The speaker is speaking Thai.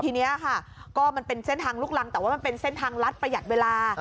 ทีนี้ค่ะก็มันเป็นเส้นทางลูกรังแต่ว่ามันเป็นเส้นทางลัดประหยัดเวลา